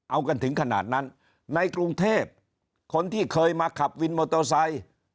เอากันถึงขนาดนั้นในกรุงเทพคนที่เคยมาขับวินมอเตอร์ไซค์